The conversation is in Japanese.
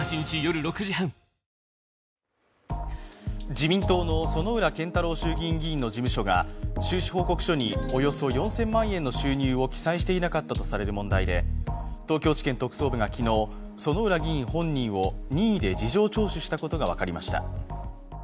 自民党の薗浦健太郎衆議院議員の事務所が収支報告書におよそ４０００万円の収入を記載していなかったとされる問題で東京地検特捜部が昨日、薗浦議員本人を任意で事情聴取したことが分かりました。